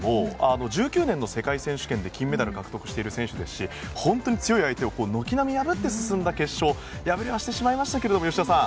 １９年の世界選手権で金メダルを獲得している選手ですし本当に強い相手を軒並み破って進んだ決勝敗れはしてしまいましたが吉田さん